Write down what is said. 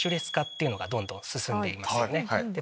どんどん進んでいますよね。